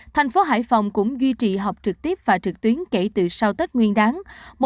thành phố hải phòng cũng duy trì họp trực tiếp và trực tuyến kể từ sau tết nguyên đáng